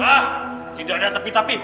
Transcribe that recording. ah tidak ada tapi tapi